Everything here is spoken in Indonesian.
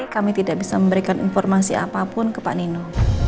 kami tidak bisa memberikan informasi apapun ke pak nino